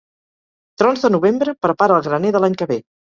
Trons de novembre, prepara el graner de l'any que ve.